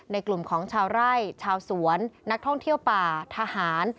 กลุ่มของชาวไร่ชาวสวนนักท่องเที่ยวป่าทหาร